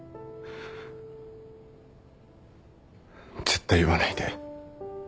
絶対言わないで。